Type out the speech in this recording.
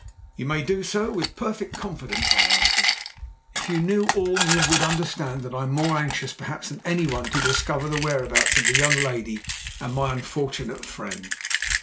"You may do so with perfect confidence," I answered. "If you knew all you would understand that I am more anxious perhaps than any one to discover the whereabouts of the young lady and my unfortunate friend."